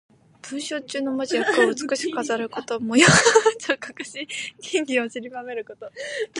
文章中の字や句を美しく飾ること。模様を彫刻し、金銀をちりばめること。